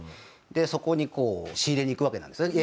そこにこう仕入れに行くわけなんですね。